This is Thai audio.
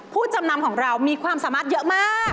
ผู้จำนำของเรามีความสามารถเยอะมาก